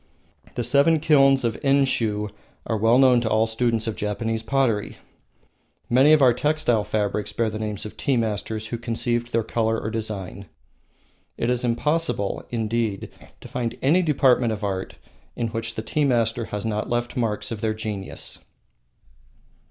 The Seven Kilns of Enshiu are well known to all students of Japanese pottery. Many of our textile fabrics bear the names of tea masters who conceived their color or design. It is impossible, indeed, to find any department of art in which the tea masters have not left marks of their genius.